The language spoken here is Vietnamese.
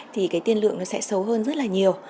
thì cái tiên lượng nó sẽ xấu hơn rất là nhiều